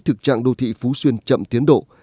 thực trạng đô thị phú xuyên chậm tiến độ